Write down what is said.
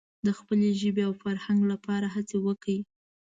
د خپلې ژبې او فرهنګ لپاره هڅې وکړي.